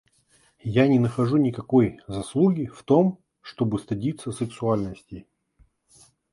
Я не нахожу никакой заслуги в том, чтобы стыдиться сексуальности.